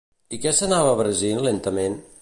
I què s'anava abrasint lentament?